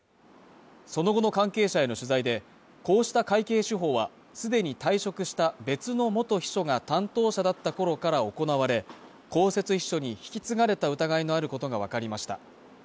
その後の関係者への取材でこうした会計手法はすでに退職した別の元秘書が担当者だった頃から行われ公設秘書に引き継がれた疑いのあることが分かりました